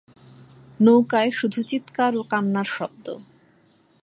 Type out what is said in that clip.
নৌকায় শুধু চিৎকার ও কান্নার শব্দ।